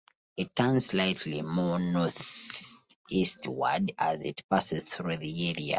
It turns slightly more northeastward as it passes through the area.